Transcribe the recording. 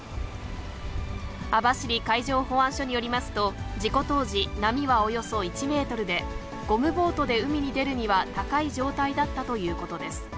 網走海上保安署によりますと、事故当時、波はおよそ１メートルで、ゴムボートで海に出るには高い状態だったということです。